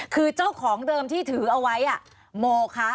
คือเจ้าของเดิมที่ถือเอาไว้โมคะ